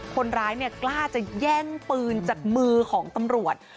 คนร้ายกล้าจะแย่งปืนจากมือของตำรวจ